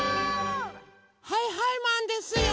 はいはいマンですよ！